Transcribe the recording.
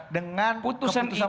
dengan keputusan politik